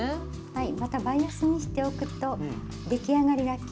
はい。